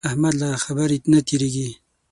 له خپلې خبرې نه تېرېږي.